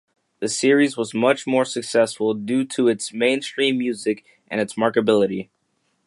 The series was much more successful due to its mainstream music and its marketability.